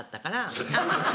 アハハハ！